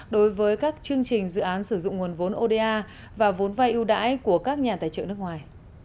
đối với các chương trình dự án sử dụng nguồn vốn oda và vốn vai ưu đãi của các nhà tài trợ nước ngoài